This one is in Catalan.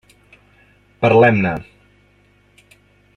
Parlem-ne.